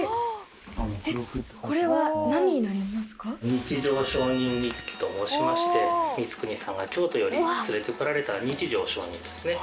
『日乗上人日記』と申しまして光圀さんが京都より連れてこられた日乗上人ですね